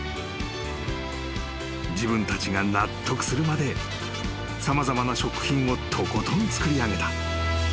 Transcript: ［自分たちが納得するまで様々な食品をとことん作りあげた］